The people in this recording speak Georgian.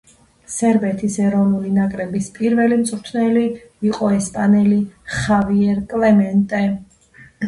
სერბეთის ეროვნული ნაკრების პირველი მწვრთნელი იყო ესპანელი ხავიერ კლემენტე.